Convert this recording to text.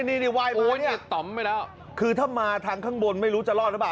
นี่วายมากันเนี่ยคือถ้ามาทางข้างบนไม่รู้จะรอดหรือเปล่า